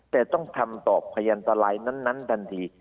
แต่ต้องทำต่อพยันตรายนั้นทันที